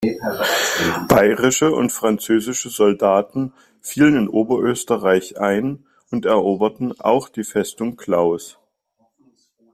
Bayrische und französische Soldaten fielen in Oberösterreich ein und eroberten auch die Festung Klaus.